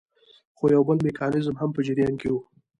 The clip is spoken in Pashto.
خو یو بل میکانیزم هم په جریان کې وو.